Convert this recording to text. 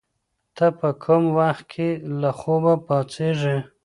ته په کوم وخت کي له خوبه پاڅېږې؟